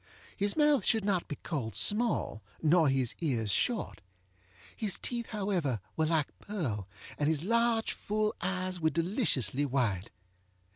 His mouth should not be called small, nor his ears short. His teeth, however, were like pearl, and his large full eyes were deliciously white.